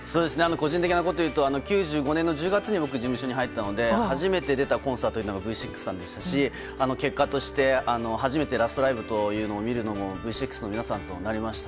個人的なことでは９５年の１０月に僕、事務所に入ったので初めて出たコンサートがＶ６さんでしたし結果として、初めてラストライブというのを見るのもＶ６の皆さんとなりました。